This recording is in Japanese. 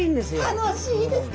楽しいですか。